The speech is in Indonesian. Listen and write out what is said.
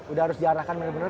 udah harus diarahkan bener bener